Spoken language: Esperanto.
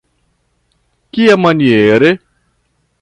Kiamaniere?